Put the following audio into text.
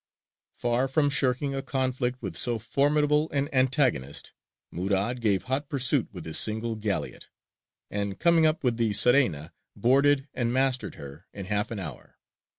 Far from shirking a conflict with so formidable an antagonist, Murād gave hot pursuit with his single galleot, and coming up with the Serena, boarded and mastered her in half an hour.